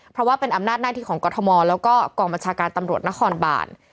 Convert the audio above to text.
เพราะว่าเป็นอำนาจหน้าที่ของกรทมแล้วก็กองบัญชาการตำรวจนครบาน